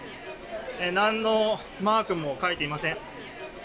何のマークも書いていません。